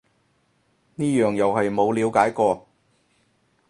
呢樣又係冇了解過